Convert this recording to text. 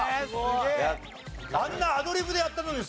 あんなアドリブでやったのに。